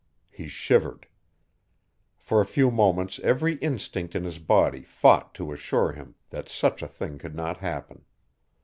He shivered. For a few moments every instinct in his body fought to assure him that such a thing could not happen.